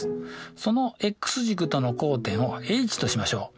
そのｘ軸との交点をＨとしましょう。